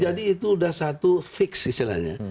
jadi itu sudah satu fix istilahnya